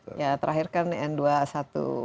insya allah kita sangat percaya